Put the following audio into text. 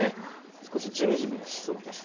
少しじめじめしそうです。